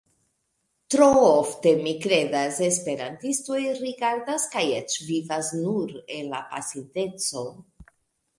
Tro ofte, mi kredas, esperantistoj rigardas kaj eĉ vivas nur en la pasinteco.